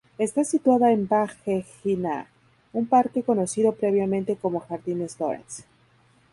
Está situada en Bagh-e-Jinnah, un parque conocido previamente como "Jardines Lawrence".